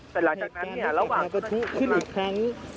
แต่หลังจากนั้นระหว่างกระทุขึ้นอีกครั้ง